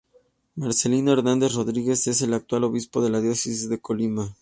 Marcelino Hernández Rodríguez es el actual Obispo de la Diócesis de Colima.